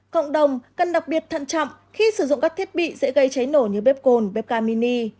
cộng đồng cần đặc biệt thận trọng khi sử dụng các thiết bị sẽ gây cháy nổ như bếp cồn bếp ga mini